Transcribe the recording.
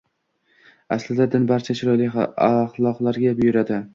Aslida din barcha chiroyli axloqlarga buyuradi